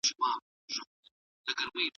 که غسل وکړو نو بدن نه بد بوی کوي.